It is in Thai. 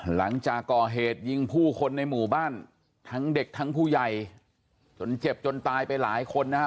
หลังจากก่อเหตุยิงผู้คนในหมู่บ้านทั้งเด็กทั้งผู้ใหญ่จนเจ็บจนตายไปหลายคนนะฮะ